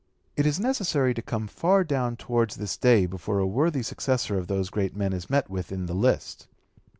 It is necessary to come far down towards this day before a worthy successor of those great men is met with in the list.